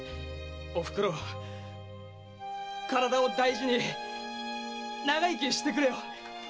おふくろ身体を大事に長生きしてくれよ！